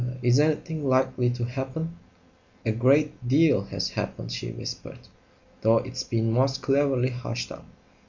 "Er is anything likely to happen?" "A great deal has happened," she whispered, "though it's been most cleverly hushed up.